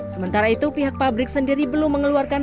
sementara itu pihak pabrik sendiri belum mengeluarkan